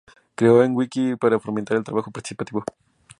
Creó un Wiki para fomentar el trabajo participativo.